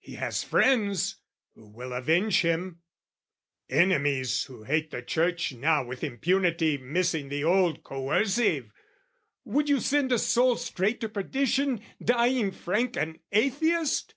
"He has friends who will avenge him; enemies "Who hate the church now with impunity "Missing the old coercive: would you send "A soul straight to perdition, dying frank "An atheist?"